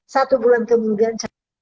satu bulan kemudian